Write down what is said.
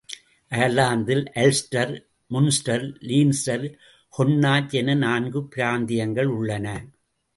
அயர்லாந்தில் Ulster, Munster, Leinster, Connacht என நான்கு பிராந்தியங்கள் உள்ளன.